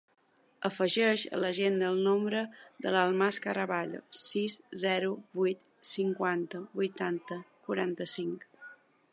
Afegeix a l'agenda el número de l'Almas Caraballo: sis, zero, vuit, cinquanta, vuitanta, quaranta-cinc.